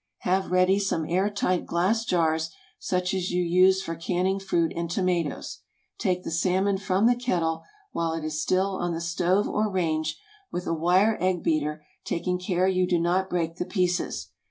Have ready some air tight glass jars, such as you use for canning fruit and tomatoes. Take the salmon from the kettle, while it is still on the stove or range, with a wire egg beater, taking care you do not break the pieces.